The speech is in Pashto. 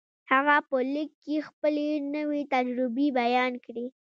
هغه په ليک کې خپلې نوې تجربې بيان کړې.